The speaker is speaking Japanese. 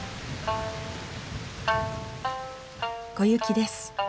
小雪です。